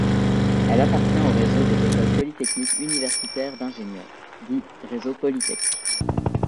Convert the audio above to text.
Elle appartient au réseau des écoles polytechniques universitaires d'ingénieurs, dit réseau Polytech.